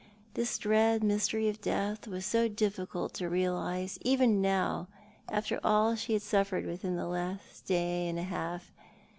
This dread mystery of death was so diflBcult to realise, even now, after all she had suffered within the last day and a half.